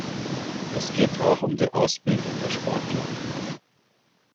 Es geht auch um die Ausbildung der Sportler.